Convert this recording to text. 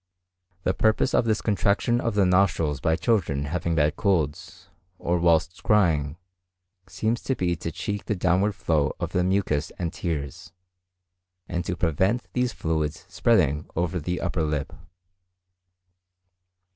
The purpose of this contraction of the nostrils by children having bad colds, or whilst crying, seems to be to check the downward flow of the mucus and tears, and to prevent these fluids spreading over the upper lip.